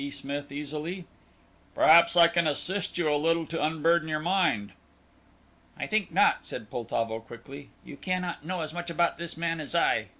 Smith easily; "perhaps I can assist you a little to unburden your mind." "I think not," said Poltavo, quickly; "you cannot know as much about this man as I.